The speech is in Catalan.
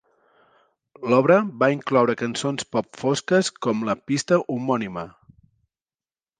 L'obra va incloure cançons pop fosques com la pista homònima.